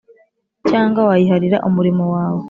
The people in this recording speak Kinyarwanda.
Cyangwa wayiharira umurimo wawe